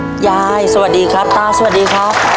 ยายสวัสดีครับตาสวัสดีครับ